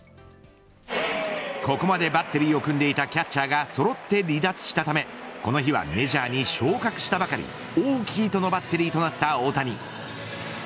ここまでバッテリーを組んでいたキャッチャーがそろって離脱したためこの日はメジャーに昇格したばかりオーキーとのバッテリーとなった大谷。